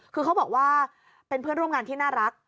คือเขาบอกว่าเป็นเพื่อนร่วมงานที่น่ารัก